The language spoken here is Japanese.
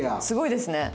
すごいですね。